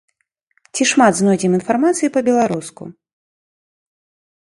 Ці шмат знойдзем інфармацыі па-беларуску?